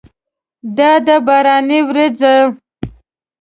دا ده باراني ورېځه!